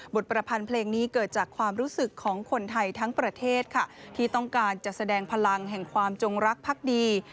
ประพันธ์เพลงนี้เกิดจากความรู้สึกของคนไทยทั้งประเทศค่ะที่ต้องการจะแสดงพลังแห่งความจงรักพักดี